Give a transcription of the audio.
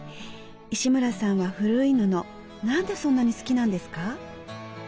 石村さんは古い布何でそんなに好きなんですか？